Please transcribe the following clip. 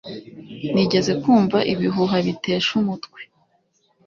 Nigeze kumva ibihuha bitesha umutwe